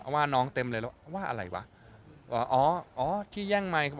ว่าน้องเต็มเลยแล้วว่าอะไรวะว่าอ๋ออ๋อที่แย่งไมค์